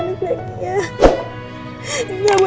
nanti kita berjalan